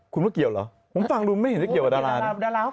คุณว่าเกี่ยวเหรอผมฟังดูไม่เห็นได้เกี่ยวกับดารา